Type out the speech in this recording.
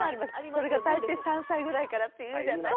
それが大抵３歳ぐらいからっていうじゃない。